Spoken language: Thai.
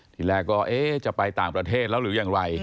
ทีแรกก็เอ๊ะจะไปต่างประเทศแล้วหรือยังไร